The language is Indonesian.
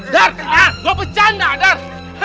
dar dar gua pecanda dar